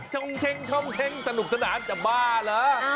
เช็งช่องเช้งสนุกสนานจะบ้าเหรอ